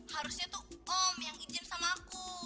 harusnya tuh om yang izin sama aku